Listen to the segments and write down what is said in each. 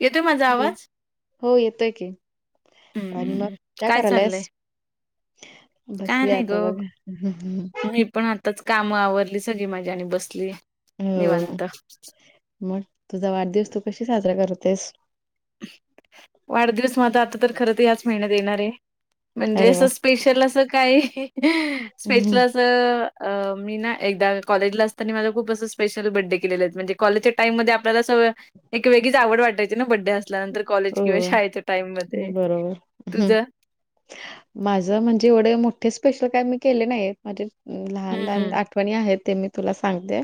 येतोय माझा हॅलो. आवाज हो येतोय की आणि मग हम्म काय चाललंय. करायलायस? काय बसले नाही आता ग बघ. मी पण आता च काम आवरली सगळी माझी आणि बसलीये हो निवांत मग तुझा वाढदिवस तू कशी साजरा करतेस. वाढदिवस माझा आता तर खरं तर याच महिन्यात येणार आहे म्हणजे अरे अस. वा! स्पेशल असं काय हम्म. स्पेशल अस. असं मी ना एकदा कॉलेजला असतानी माझं खूप अस स्पेशल बडडे केलेला येत म्हणजे कॉलेजच्या टाईम मध्ये आपल्याला अस एक वेगळीच आवड वाटायची ना बड्डे असल्यानंतर कॉलेज हो किंवा शाळेच्या टाइम मध्ये तुझ माझ म्हणजे एवढे मोठे स्पेशल काय मी केले नाहीये माझे लहान हं, लहान हं. आठवणी आहेत ते मी तुला सांगते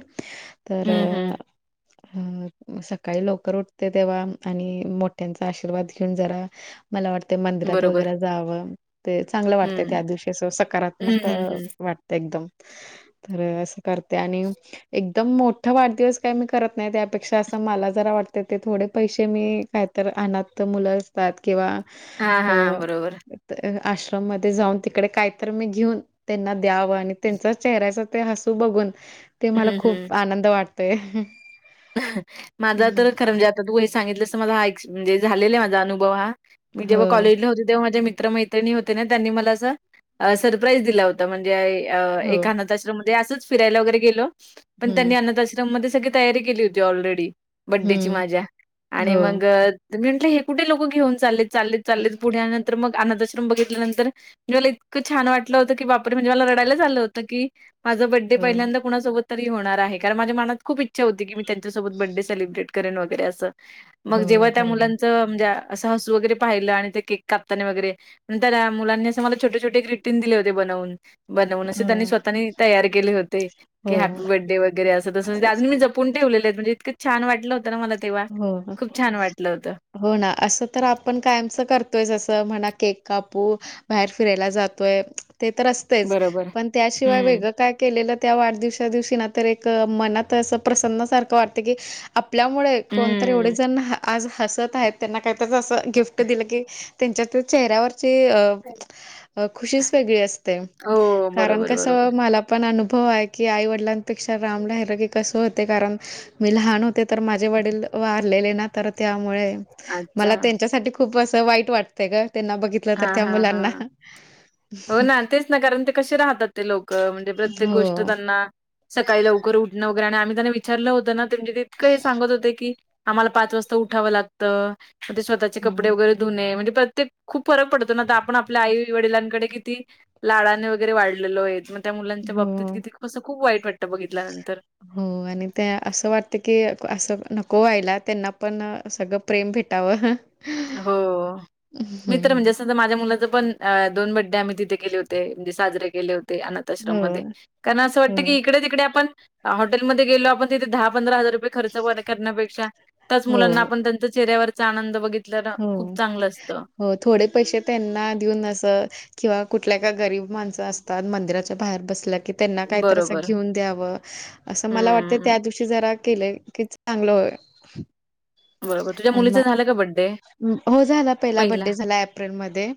तर हं, हं. अ सकाळी लवकर उठते तेव्हा आणि मोठ त्यांचा आशीर्वाद घेऊन जरा मला वाटतं मंदिरात बरोबर. वगैरे जावं. ते चांगलं वाटतंय हं. त्या दिवशी अस हं, सकारात्मक हं, हं. वाटत एकदम तर असं करते आणि एकदम मोठ वाढदिवस काय मी करत नाही त्यापेक्षा असं मला जरा वाटतं ते थोडे पैसे मी काय तर अनाथ मुलं असतात किंवा हां, अ हां. बरोबर. आश्रम मध्ये जाऊन तिकडे कायतर मी घेऊन. त्यांना द्यावं आणि त्यांचा चेहऱ्याच ते हसू बघून. ते मला हं, हं. खूप आनंद वाटतय. माझा तर खरं म्हणजे आता तू हे सांगितलंस माझा हा म्हणजे झालेला आहे माझा अनुभव हा. मी जेव्हा हो कॉलेजला होते तेव्हा माझ्या मित्र मैत्रिणी होते ना त्यांनी मला असं. सरप्राईज दिला होता म्हणजे हो एका अनाथ आश्रम मध्ये असंच फिरायला वगैरे गेलो. पण हम्म त्यांनी अन्थ आश्रम मध्ये सगळी तयारी केली होती ऑलरेडी बड्डेची हम्म माझ्या आणि हो मग म्हंटलं हे कुठे लोक घेऊन चाललेत. चालेल चाले पुढ नंत मग बघितल्या नंतर म्हणजे मला इतकं छान वाटलं होतं की बापरे म्हणजे मला रडायला झालं होत की माझं बड्डे हो पहिल्यांदा कुणासोबत तरी होणार आहे कारण माझ्या मनात खूप इच्छा होती की त्यांच्यासोबत बर्थडे सेलिब्रेट केले नव्हते असं मग हो जेव्हा त्या बरोबर मुलांनी म्हणजे असं हसू वगैरे पाहिलं आणि ते केक कापताना वगैरे नंतर मुलांनी असं मला छोटे छोटे ग्रिटींग दिले होते बनवून बनवून असे हो त्यांनी स्वतःनी तयार केले होते की हो हॅपी बर्थडे वगैरे असं तसजून मी पण ठेवलेले आहेत म्हणजे इतकं छान वाटलं होतं ना मला तेव्हा हो खूप छान वाटलं होतं. हो ना असं तर आपण कायमच करतोय जसं म्हणा केक कापू बाहेर फिरायला जातोय ते तर असतेच बरोबर. पण त्याशिवाय हं. वेगळं काय केलेलं त्या वाढदिवसा दिवशी ना तर एक मनात असं प्रसन्नासारखं वाटतें की आपल्यामुळे कोणतरी एवढे हं. जण आज हसत आहेत त्यांना काहीतरी असं गिफ्ट दिलं की. त्यांच्यात चेहऱ्यावरची खु वेगळी असते हो. कारण बरोबर, कस? बरोबर. पण अनुभव आहे की आई वडिलांपेक्षा राम राहिलं की कसं होते कारण मी लहान होते तर माझे वडील वारलेले ना तर त्यामुळे अच्छा. मला त्यांच्यासाठी खूप अस वाईट वाटतय ग त्यांना बघित. तर हां, त्या हां, मुलांना हां. हो ना तेच ना कारण ते कसे राहतात ते लोक म्हणजे प्रत्येक गोष्ट हो त्यांना सकाळी लवकर उठणं वगैरे आणि आम्ही त्यांना विचारलं होतं ना तेज तितकं हे सांगत होते की आमला पाच वाजता उठावं लागतं म्हणजे स्वतःचे कपडे हं. वगैरे ध म्हणजे प्रत्येक खूप फरक पडतो ना आपण आपल्या आई वडिलांकडे किती लाडाने वगैरे वाढलेो आहेत. त्या मुलांच्या बाबतीत हो किती कसं खूप वाईट वाटतं बघितल्यानंतर हो आणि त्या असं वाटते की असं नको व्हायला त्यांना पण सगळं प्रेम भेटावं हा हो... मित्र म्हणजे माझ्या मुलाच पण दोन बड्डे आम्ही तिथे केले होते म्हणजे साजरे केले होते ते अनाथश्रम मध्ये हो कारण असं हो वाटतं की इकडे तिकडे आपण हॉटेलमध्ये गेलो आपण तिे दहा पंधरा हजार रुपय खर्च वगैरे करण्यापेक्षा त्याच मुलां हो आपण त्यांचा चेहऱ्यावरचा आनंदित खूप हो चांगलं असतं हो थोडे पैसे त्यांना देऊन अस किंवा कुठल्या का गरीब माणसं असतात मंदिराच्या बाहेर बसल्या कि त्यांना काहीतरी बरोबर. घेऊन द्याव अस मला वाटत हं, त्या दृष्टी जरा केले की चांगलं होय बरोबर तुझ्या मुलीच झाल का बड्डे हो झाला पहिला बड्डे झाला एप्रिलमध्ये.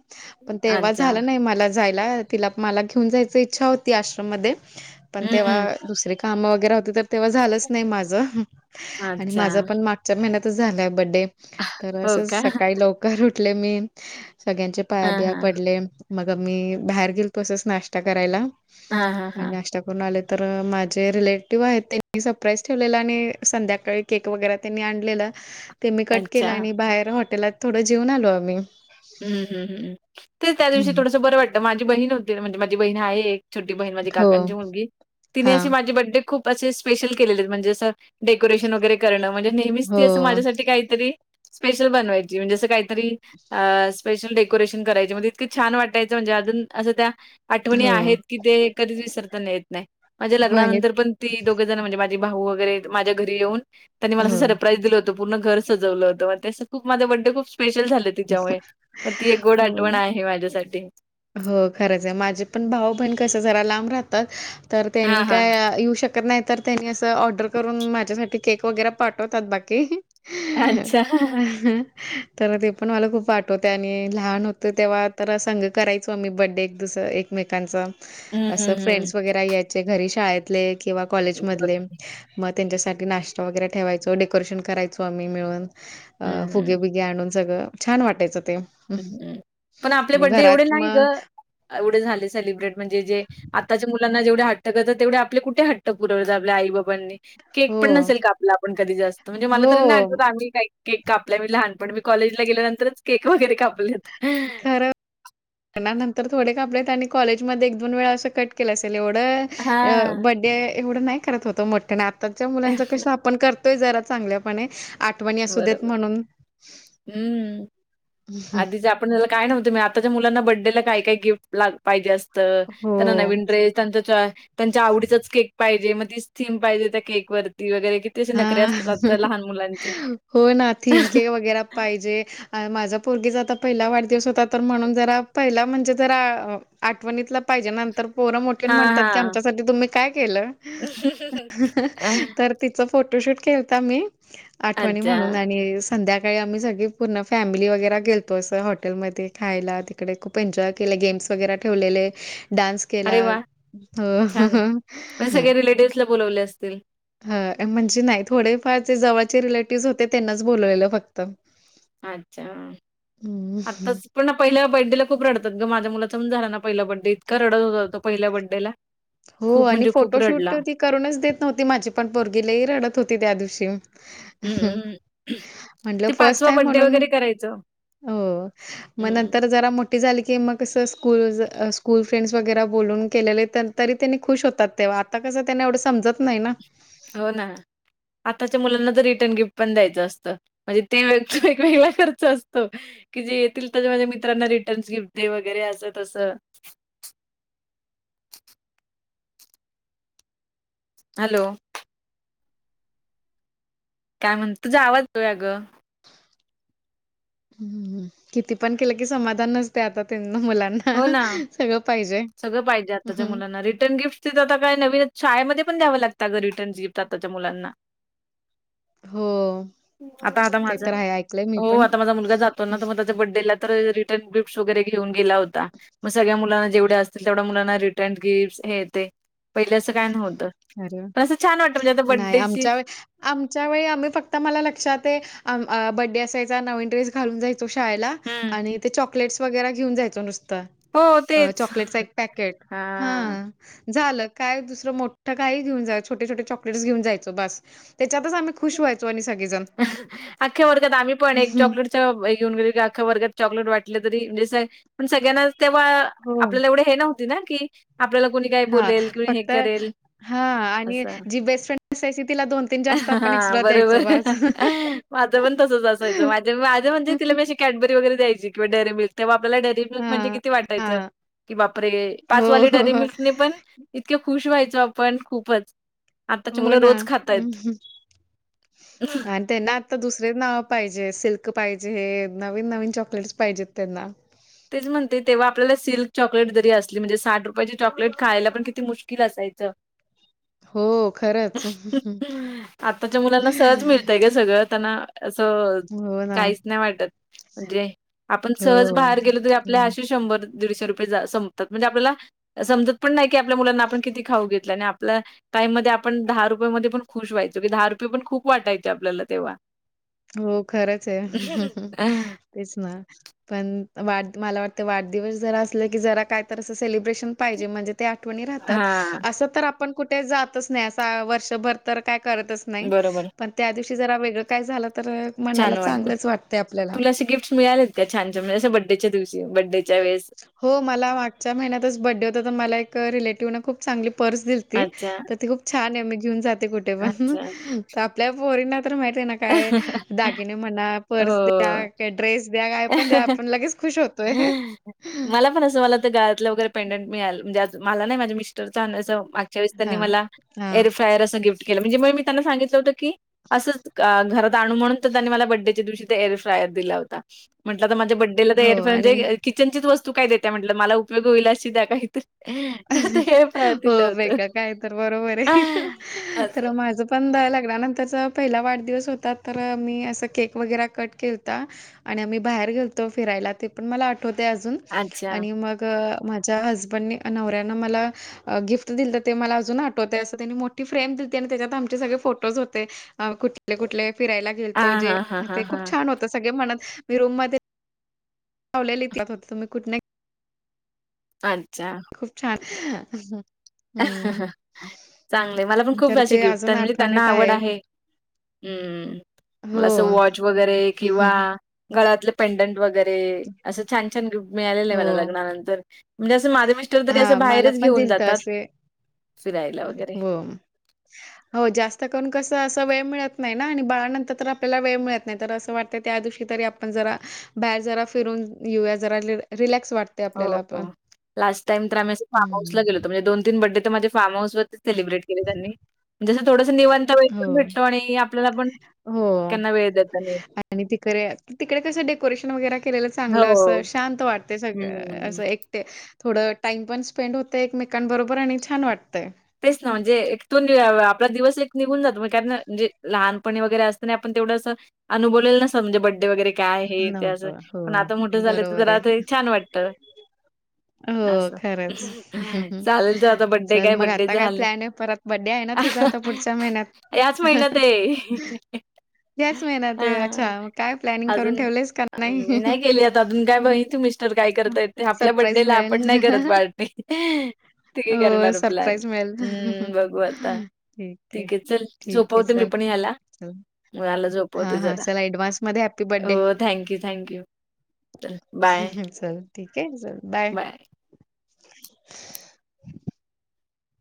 पण तेव्हा अच्छा. झालं नाही मला जायला तिला मला घेऊन जायच इच्छा होती आश्रम म्मध्ये पण हं, तेव्हा हं. दुसरी काम वगैरे होते तर तेव्हा झालंच नाही माझ आणि अच्छा. माझ पण मागच्या महिन्यात झायलाय बडे तर अस हो का? सकाळी लवकर उठले मी सगळ्यांचे हां, पायाबिया हां. पडले मग मी बाहेर गेलतो असच नाश्ता करायला हां, हां, आणि हां. नाश्ता करून आले तर माझे रिलेटिव्ह आहेत त्यांनी सरप्राईज ठेवलेला आणि संध्याकाळी केक वगैरे त्यांनी आणलेला. ते मी कट केलं अच्छा. आणि बाहेर हॉटेलात थोडं जेऊन आलो आम्ही हम् हम् हमम तेच त्या दिवशी हम्म थोडंसं बरं वाटतं माझी बहीण होती म्हणजे माझी बहीण आहे एक छोटी बहीण माझी हो काकांची मुलगी तिने हा असे माझे बड्डे खूप असे स्पेशल केले आहेत म्हणजे असं. डेकोरेशन वगैरे करणं म्हणजे नेहमीच हो ती असं माझ्यासाठी काहीतरी स्पेशल बनवायची म्हणजे असं काही. स्पेशल डेकोरेशन करायची म्हणजे इतके छान वाटायचं म्हणजे अजून असं त्या आठवणी हो आहेत की ते कधीच विसरता येत नाही माझ्या हो आणि लग्नानंतर पण, ती दोघं जण म्हणजे माझी भाऊ वगैरे माझ्या घरी येऊन त्यांनी मला अस हो सरप्राईज दिलं होतं. पूर्ण घर सजवलं होतं त्या खूप माझा बडे खूप स्पेशल झालेत तिच्यामुळे मग ती एक गोड हो आठवण आहे माझ्यासाठी. हो खरंच आहे माझे पण भाऊ बहीण कस जरा लांब राहतात तर त्यांनी हां, हां. काय येऊ शकत नाही तर त्यांनी असं ऑर्डर करून माझ्यासाठी केक वगैरे पाठवतात बाकी ह अच्छा. हं हं तर ते पण मला खूप आठवते आणि लहान होत तेव्हा तर सांग करायचो मी बड्डे एक दुस एकमेकांच हं, असं हं, हं. फ्रेंड्स वगैे या घरी शाळेतले किंवा बरं. कॉलेजमधले मग त्यांच्यासाठी नाश्ता वगैरे ठेवायचो डेकोरेशन करायचो आम्ही मिळून अ हं, फुगे बिगे आणून सगळं छान वाटायचं ते ह्म् पण आपले आणि बड्डे एवढे घरात नाही ग मग एवढे झाले सेलिब्रेट म्हणजे जे आताच्या मुलांना जेवढे हट्ट करतात तेवढे आपले कुठे हट्ट धरून पुरवतात आपल्या आई बाबांनी केक पण हो. नसेल का आपला आपण कधी जास्त म्हणजे मला तरी नाही हो. आठवत आम्ही काही केक कापला मी लहानपण मी कॉलेजला गेल्यानंतरच केक वगैरे कापलेत लग्नानंतर थोडे कापले आणि कॉलेजमध्ये एक दोन वेळा असं कट केलं असेल एवढं हां. बडे एवढं नाही करत होत मोठयान आताच्या मुलांच कस आपण करत करतोय जरा चांगल्यापणे आठवणी असू देत बरोबर. म्हणून हं. आधीच आपणला काय नव्हतं मी आताच्या मुलांना बर्थडेला काय काही गिफ्ट ला पाहिजे असं हो. त्यांना नवीन ड्रेस त्यां त्यांच्या आवडीचाच केक पाहिजे मग तीच थीम पाहिजे त्या केक वरती वगैरे असे हा नखरे असतात आजच्या लहान मुलांचे. हो ना थीम केक वगैरे पाहिजे माझा पोर्गीचा आता पहिला वाढदिवस होता तर म्हणून जरा पहिला म्हणजे जरा आठवणीतला पाहिजे नंतर पोर मोठी होऊन हां, म्हणतात की हां. आमच्यासाठी तुम्ही काय केलं. तर तिचा फोटोशूट केलता मी आठवणी अच्छा. म्हणून आणि संध्याकाळी आम्ही सगळी पूर्ण फॅमिली वगैरे गेलतो असं हॉटेलमध्ये खायला ते तीकडे खूप एन्जॉय केला गेम्स वगैरे ठेवलेले डान्स अरे केला वाह! छान. हो. म्हणजे सगळे रिलेटिव्हजला बोलवले असतील. ह म्हणजे नाही थोडेफार जे जवळचे रिलेटिव्ह होते त्यांनाच बोलवलेल फक्त. अच्छा, हं, आताच पण ना पहिल्या बड्डेला खूप रडतात ग माझ्या मुलाचा पण झाला ना पहिल्या बड्डे इतका रडत होत होता तो पहिल्या बड्डेला. हो आणि फोटोशूट ती करूनच देत नव्हती माझी पण पोरगी लही रडत होती त्या दिवशी. हम्म्! म्हटलं फस्ट आहे म्हणून मग हम्म, नंतर जरा मोठी झाली की मगं कस स्कूल स्कूल फ्रेंड्स वगैरे बोलून केलेले त्या तरी त्यांनी खुश होतात तेव्हा आता कसं त्यांनी एवढं समजत नाही ना. हो ना आताच्या मुलांना तर रिटर्न गिफ्ट पण द्यायचं असतं. म्हणजे ते एक वेगळा खर्च असतो. की जे येतील त्याचे माझ्या मित्रांना रिटर्न्स गिफ्ट दे वगैरे असत असं तसं. हॅलो! काय म्हणत तुझा आवाज ग हम् किती पण केलं कि समाधान नसतंय आता त्यांना मुलांना. हो ना! सगळं पाहिजे. सगळ पाहिजे आताच्या हं. मुलांना रिटर् गिफ्ट ची आता काय नवीनच, शाळेमध्ये पण द्याव लागंत आग रिटर्नस गिफ्ट आताच्या मुलांना. हो. आता आता ते माझा तर आहे ऐकलंय मी हो पण. आता माझा मुलगा जात तो ना मग त्याच्या बड्डेला तर रिटर्न गिफ्टस वगैरे घेऊन गेला होता मग सगळ्या मुलांना जेवढ्या असतील तेवढ्या मुलांना रिटर्न गिफ्ट हे ते. पहिल असं काय नव्हतं, अरे वाह! पण असं छान वाटत म्हणजे आता नाही बड्डेची आमच्या वेळी आमच्या वेळी आम्ही फक्त मला लक्षात आहे बड्डे असायचा नवीन ड्रेस घालून जाय सतो शाळेला हम्म आणि ते चॉकलेट्स वगैे घेऊन जायचो नुसतं. हो अ तेच चॉकलेटचा एक पॅकेट हा. झालं काय दुसरं मोठं काही घेऊन जाय छोटे छोटे चॉकलेट्स घेऊन जायचो बास. त्याच्यातच आम्ही खुश व्हायचो आणि सगळेजण. अख्या वरगात आम्ही पण एक चॉकलेट हे गेहुन गेलो की अख्या वर्गात चॉकलेट वाटलं तरी म्हणजे असं पण सगळ्यांचा आस तेव्हा हो. आपल्याला येवढे हे न्हवती ना की आपल्याला कोणी काय हा बोलेल, कोणी हे फक्त करेल हा आणि असं. जी बेस्ट फ्रेंड असायची तिला दोन तीन जास्त आपण हां, एक्स्ट्रा बरोबर. द्यायचो बस. माझं पण तसच असायचं माझ माझं म्हणजे तिला मी अशी कॅडबरी वगैर द्यायची किंवा डेरीमिल्क तेव्हा आपल्याला डेरीमिल्क डेरीमिल्क म्हणजे हां, किती वाटायचं हां. की बापरे हो, पाचवाली हो, हो. डेरीमिल्क ने पण इतके खुश व्हायचो आपण खूपच. आताची मुल हो ना. रोज खातायत. आणि त्यांना आत्ता दुसरे नाव पाहिजे सिल्क पाहिजे नवीन नवीन चॉकलेटस पाहिजेत त्यांना. तेच म्हणते तेव्हा आपल्याला सिल्क चॉकलेट जरी असली म्हणजे साठ रुपयाची चॉकलेट खायला पण किती मुश्किल असायचं. हो, खरंच. आताच्या मुलांना सहज मिळतय ग. सगळं त्यांना अस हो ना. काहीच नाही वाटत म्हणजे आपण सहज बाहेर गेलो तरी आपल्या हो. अशी डे रात म्हणजे आपल्या समजत पण आपल्या मुलांना आपण कि खऊ घ आणि आपलं टाईम मध्ये आपण दहा रुपये मध्ये पण खुश व्हायचो की दहा रुपये पण खूप वाटायचे आपल्याला तेव्हा. हो खरंच आहे तेच ना. पण वाढ मला वाटत वाढदिवस जरा असलं की जरा काय तर असं सेलिब्रेशन पाहिजे म्हणजे आठवणी राहतात हां, अस तर आपण कुठे जातच नाही वर्षभर तर काय करतच नाही बरोबर पण त्या दिवशी जरा वेगळं काय झालं तर मनाला चांगलंच वाटतं आपल्याला. तुला असे गिफ्टस मिळाले. त्या छान छ म्हणजे असं बड्डेच्या दिवशी बड्डेच्या वळेस. हो मला मागच्या महिन्यातच बर््डे होता तर मला एक रिलेटिव्ह न खूप चांगली पर्स दि अच्छा, तर ती खूप छान नेहमी घेऊन जाते कुठे पण अच्छा. आपल्या पोरीना तर माहित आहे ना काय दागिने म्हणा पर्स द्या हो. का ड्रेस द्या काय पण द्या आपण लगेच खुश होतोय. मला पण असं मला तर गायतलं वगैरे पेंडंट मिळाल म्हणजे आ मला नाही माझ्या मिस्टरच त्यास त्यांनी हां. मला हां. एर फ्रायर असं गिफ्ट केलं म्हणजे म मी त्यांना सांगितलं होतं क असंच घरात आणू म्हणून त्यांनी मला बड्डेच्या दिवशी एअर फ्रायर दिला होता म्हटलं तर माझ्या बड्डेला तर एर हो फ्राय आणि म्हे किचनचीच वस्तू काय देते म्हटलं मला उपयोग होईल अशी द्या काही तरी. हो वेगळ काय तर बरोबर आहे तर असं. माझ पण द लागडनंतरचा पहिला वाढदिवस होता तर मी असं केक वगैरे कट केलता. आणि आम्ही बाहेर गेलतो फिरायला ते पण मला आठवते अजून. अच्छा. आणि मग माझ्या हजबंडने नवऱ्यान मला गिफ्ट दिलत ते मला अजून आठवतयं असं त्यांनी मोठी फ्रेम दिलती आणि त्याच्यात आमचे सगळे फोटोज होते. आं कुठले कुठले फिरायला गेलतो हां, जे हां, हां, हां, ते खूप हां. छान होत सगळे म्हणत मी रूम म- लावलेली ती [unintelligible] तुम्ही कुठनं- अच्छा! खूप छान [unintelligible] हम्म. चांगलं मला पण खूप तर अशे ते गिफ्ट अजून म्हणजे त्यांना आठवणीत आवड आहे. हम्म मला असं हो. वॉच वगैरे किंवा गळ्यातलं पेंडंट वगैरे असं छान छान मिळालेलं आहे मला हो. लग्नानंतर म्हणजे असं माझ मिस्टर तरी असं हां, मला बाहेरच पण घेऊन दिलत जातात. असे फिरायला वगैरे. हो हो जास्त करून कसं असं वेळ मिळत नाही ना आणि बाळानंतर तर आपल्याला वेळ मिळत नाही तर असं वाटतं त्या दिवशी तरी आपण जरा बाहेर जरा फिरून येऊया जरा रिलॅ- रिलॅक्स वाट हों हों लास्ट टाइम तर आम्ही असं फार्म हं. हाऊसला गेलेलो. णजे दोन, तीन बड्डे तर माझे फार्मऊस वरतीच सेलिब्रेट केले त्यांनी जस थोडस निवां- आता वेळ हो. पण भेटतो आणि आपल्याला पण हो त्यांना वेळ देता येइल. आणि तिकरे तिकडे कसं डेकोरेशन वगैरे- केलेलं चांगलं हो. असं शांत वाटतयं सगळ हं. असं एक- ट थोडं टाइम पण स्पेंड होतय एकमेकां बरोबर आणि छान वाटतयं. तेच ना म्हणजे एक तो नि आपला दिवस एक निघून जातो म्ह कारण म्हणजे लहानपणी वगैरे असतना आपण तेवढं असं- अनुभवलेल नसतात म्हणजे बड्डे वगैरे. काय हें ते असं नव्हतं. पण हो, आता मोठं झाल्यावरती बरोबर जरा आहे. ते छान वाटत. हो खरंच चालेल तर आता बड्डे चल काय मग आ- बड्डे आता काय झाले. प्लॅन हाय परत बड्डे आहे ना तुझा आता पुढच्या याच महिन्यात महिन्यांत. आहे. हयाच महिन्यात आहे हा. अच्छा! मग काय प्लॅनिंग? करून अजून ठेवलंयस का मी नाही हं. केली आता अजून काय माहित मिस्टर काय करतायेतते आपल्या सरप्राईज बड्डेला मिळेल. आपण नाही करत पार तिघे हो, करणार प्लॅन. सरप्राईज मिळेल. हुं बघू आता ठीक आहे चल ठीक आहे. झोपवते मी चल, पण याला. चल. बाळाला झोपवते हां, हां. जरा. चल ॲडव्हान्समध्ये हॅपी बर्थडे. हों थँक्यू थँक्यू चल बाय. चलं ठीकेयं चल बाय.